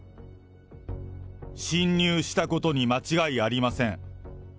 侵入したことに間違いありません。